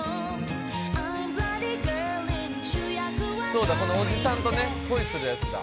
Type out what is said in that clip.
そうだこのおじさんとね恋するやつだ。